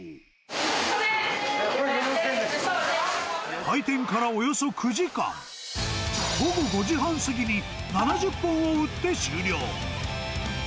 開店からおよそ９時間、午後５時半過ぎに、７０本を売って終了。